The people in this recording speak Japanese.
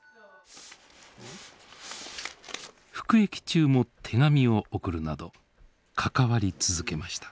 服役中も手紙を送るなど関わり続けました。